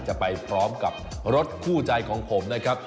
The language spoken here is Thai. จะไปพร้อมกับรถคู่ใจของผมนะครับ